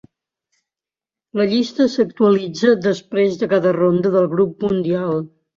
La llista s'actualitza després de cada ronda del Grup Mundial.